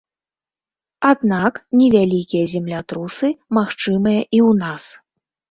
Аднак невялікія землятрусы магчымыя і ў нас.